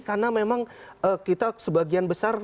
karena memang kita sebagian besar